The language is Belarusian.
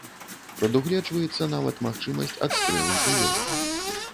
Прадугледжваецца нават магчымасць адстрэлу жывёл.